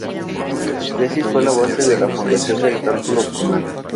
Su tesis fue la base de la fundación del cálculo formal.